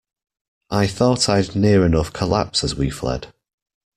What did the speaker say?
I thought I'd near enough collapse as we fled.